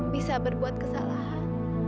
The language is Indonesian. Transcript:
bisa berbuat kesalahan